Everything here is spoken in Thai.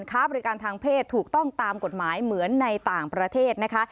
ค้าบริการทางเพศถูกต้องตามกฎหมายเหมือนในต่างประเทศนะคะ